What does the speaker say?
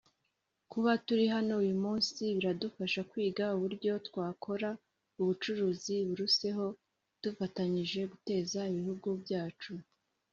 Kuba turi hano uyu munsi biradufasha kwiga uburyo twakora ubucuruzi biruseho dufatanyije tugateza ibihugu byacu